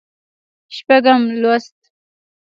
شپږم لوست